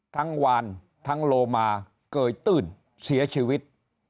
วานทั้งโลมาเกยตื้นเสียชีวิต